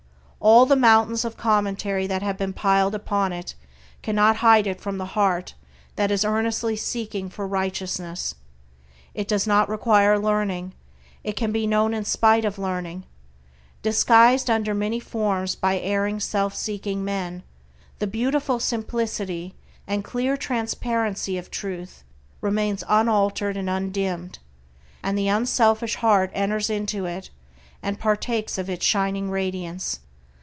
All the mountains of commentary that have been piled upon it cannot hide it from the heart that is earnestly seeking for Righteousness. It does not require learning; it can be known in spite of learning. Disguised under many forms by erring self seeking man, the beautiful simplicity and clear transparency of Truth remains unaltered and undimmed, and the unselfish heart enters into and partakes of its shining radiance.